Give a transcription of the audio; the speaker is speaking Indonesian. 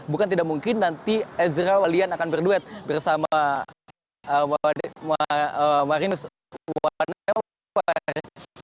bukan tidak mungkin nanti ezra walian akan berduet bersama marinus waneo